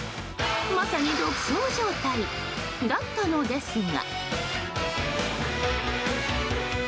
まさに独走状態だったのですが。